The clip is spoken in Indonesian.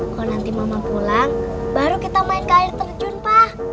kalau nanti mama pulang baru kita main ke air terjun pak